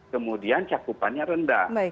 kemudian cakupannya rendah